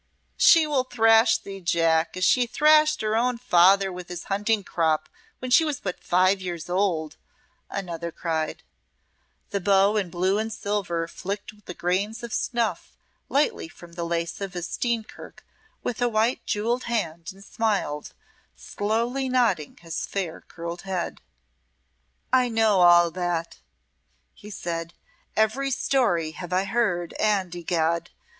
"She will thrash thee, Jack, as she thrashed her own father with his hunting crop when she was but five years old," another cried. The beau in blue and silver flicked the grains of snuff lightly from the lace of his steenkirk with a white jewelled hand and smiled, slowly nodding his fair curled head. "I know all that," he said. "Every story have I heard, and, egad!